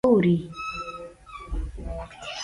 ستوري